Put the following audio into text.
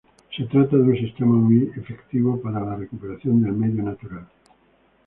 Se trata de un sistema muy efectivo para la recuperación del medio natural.